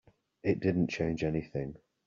It didn't change anything.